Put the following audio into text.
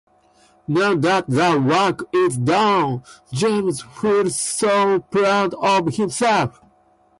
Now that the work is done, James feels so proud of himself!